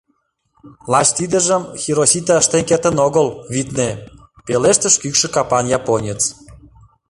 Лач тидыжым Хиросита ыштен кертын огыл, витне... — пелештыш кӱкшӧ капан японец.